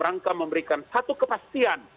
rangka memberikan satu kepastian